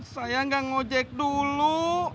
saya gak ngojek dulu